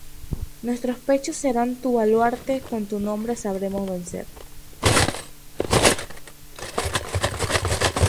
Nuestros pechos serán tu baluarte, con tu nombre sabremos vencer